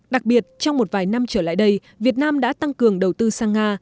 đặc biệt trong một vài năm trở lại đây việt nam đã tăng cường đầu tư sang nga